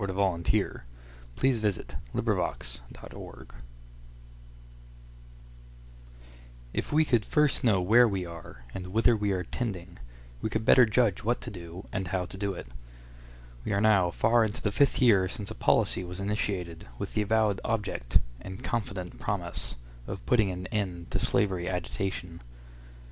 The "House Divided Against Itself" Speech IF we could first know where we are, and whither we are tending, we could better judge what to do, and how to do it. We are now far into the fifth year since a policy was initiated with the avowed object, and confident promise, of putting an end to slavery agitation.